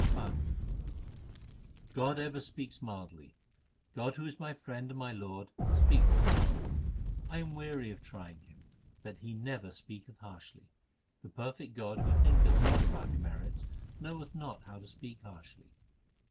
CHHANT God ever speaks mildly : God who is my Friend and my Lord, speaketh mildly ; I am weary of trying Him, but He never speaketh harshly. The perfect God who thinketh not of our demerits, knoweth not how to speak harshly.